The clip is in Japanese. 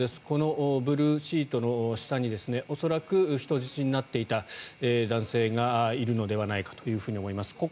このブルーシートの下に恐らく人質になっていた男性がいるのではないかと思います。